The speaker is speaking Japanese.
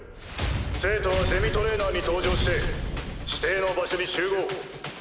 生徒はデミトレーナーに搭乗して指定の場所に集合。